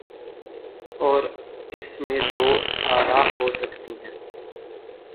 اوراس میں دو آرا ہو سکتی ہیں۔